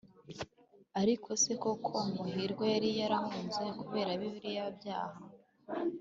ariko se koko ko muhirwa yari yarahunze kubera biriya byaha?